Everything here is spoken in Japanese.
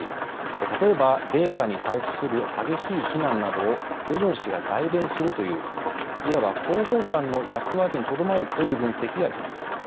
例えば米韓に対する激しい非難などをヨジョン氏が代弁するといういわば広報官の役割にとどまるという分析があります。